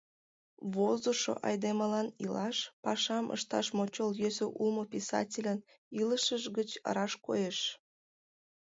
Возышо айдемылан илаш, пашам ышташ мочол йӧсӧ улмо писательын илышыж гыч раш коеш.